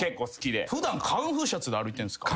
普段カンフーシャツで歩いてんすか？